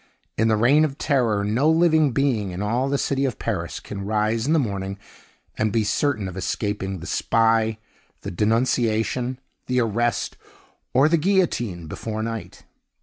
In the Reign of Terror no living being in all the city of Paris can rise in the morning and be certain of escaping the spy, the denunciation, the arrest, or the guillotine, before night.